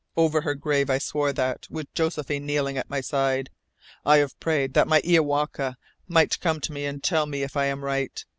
Over her grave I swore that, with Josephine kneeling at my side. I have prayed that my Iowaka might come to me and tell me if I am right.